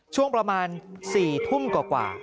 ช่วงประมาณ๔ทุ่มกว่า